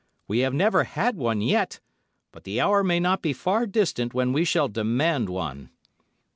We have never had one yet, but the hour may not be far distant when we shall demand one."